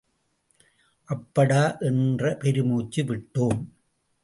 அப்பாடா என்று பெருமூச்சு விட்டோம்.